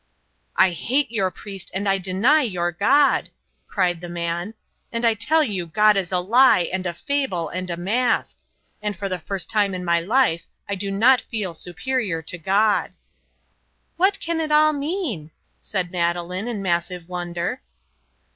"I hate your priest and I deny your God!" cried the man, "and I tell you God is a lie and a fable and a mask. And for the first time in my life I do not feel superior to God." "What can it all mean?" said Madeleine, in massive wonder.